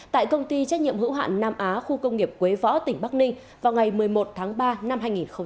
tại công ty trách nhiệm hữu hạn nam á khu công nghiệp quế võ tỉnh bắc ninh vào ngày một mươi một tháng ba năm hai nghìn hai mươi